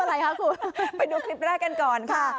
อะไรนะครับผมไปดูคลิปหน้ากันก่อนค่ะ